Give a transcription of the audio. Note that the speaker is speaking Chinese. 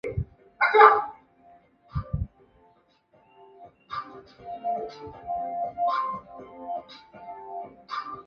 但单模光纤本身比多模光纤便宜。